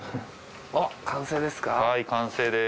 おっ完成ですか？